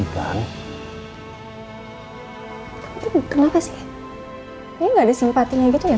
ya sekalipun keisha itu dipangku andin tapi kan andin juga tidak menginginkan kecelakaan itu terjadi